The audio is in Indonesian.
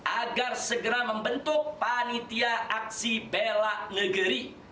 agar segera membentuk panitia aksi bela negeri